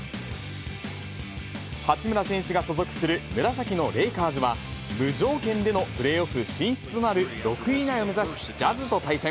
八村選手が所属する紫のレイカーズは、無条件でのプレーオフ進出となる６位以内を目指し、ジャズと対戦。